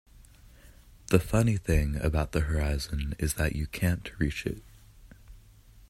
The funny thing about the horizon is that you can't reach it.